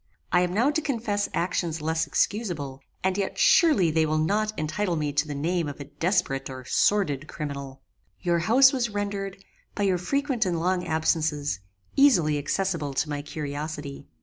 I am now to confess actions less excusable, and yet surely they will not entitle me to the name of a desperate or sordid criminal. "Your house was rendered, by your frequent and long absences, easily accessible to my curiosity.